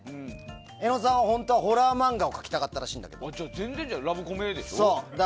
江野さんは本当はホラー漫画を書きたかったらしいんだけど全然違うじゃないですか。